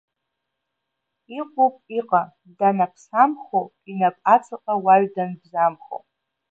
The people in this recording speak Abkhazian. Иҟоуп, иҟа, данаԥсамхо, инап аҵаҟа уаҩ данбзамхо…